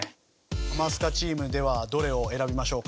ハマスカチームではどれを選びましょうか。